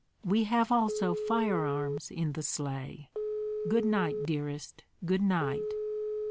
We have also firearms in the sleigh. Good night, dearest, good night."